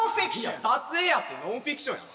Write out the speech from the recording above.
いや撮影やってノンフィクションやろ。